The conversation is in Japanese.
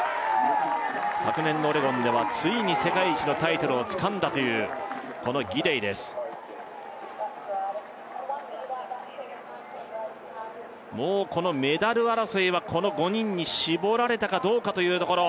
昨年のオレゴンではついに世界一のタイトルをつかんだというこのギデイですもうこのメダル争いはこの５人に絞られたかどうかというところ